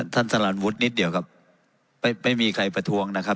สลันวุฒินิดเดียวครับไม่มีใครประท้วงนะครับ